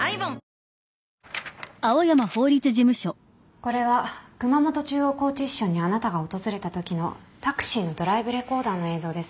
これは熊本中央拘置支所にあなたが訪れたときのタクシーのドライブレコーダーの映像です。